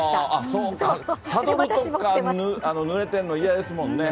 そうかサドルとかぬれてるの嫌ですもんね。